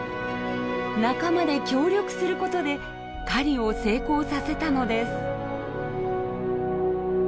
仲間で協力することで狩りを成功させたのです。